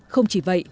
không chỉ vậy